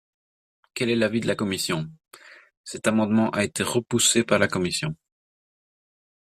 Quel est l’avis de la commission ? Cet amendement a été repoussé par la commission.